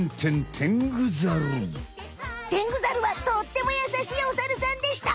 テングザルはとってもやさしいおサルさんでした！